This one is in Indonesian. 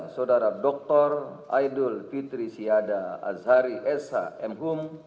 saudara dr aidul fitri syiada azhari shmh